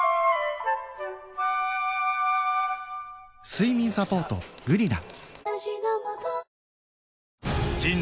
睡眠サポート「グリナ」